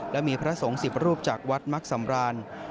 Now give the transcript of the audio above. และมีพระสงฆ์๑๐รูปจากวัดมักสำราน